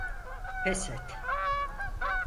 Pes et!